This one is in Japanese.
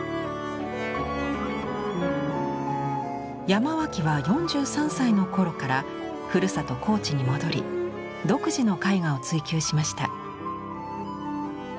山脇は４３歳の頃からふるさと高知に戻り独自の絵画を追求しました。